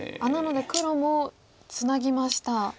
なので黒もツナぎました。